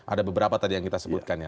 ada beberapa tadi yang kita sebutkan ya